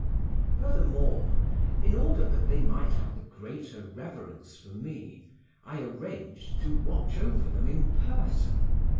Furthermore, in order that they might have the greater reverence for me, I arranged to watch over them in person.